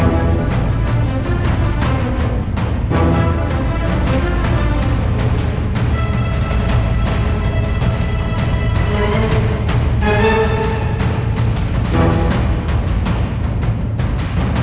biar aku jemput